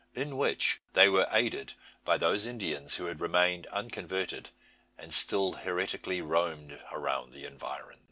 In which they were aided by those Indians who had remained unconverted, and still heretically roamed around the environs.